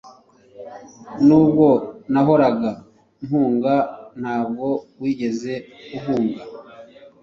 nubwo nahoraga mpunga, ntabwo wigeze uhunga